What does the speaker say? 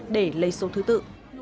để lấy số thứ tự